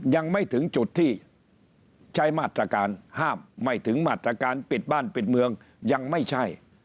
ยังไม่ถึงจุดที่ใช้มาตรการห้ามไม่ถึงมาตรการปิดบ้านปิดเมืองยังไม่ใช่